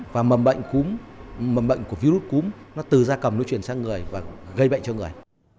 và mầm bệnh của virus cúm nó từ ra cầm nó chuyển sang người và gây bệnh cho người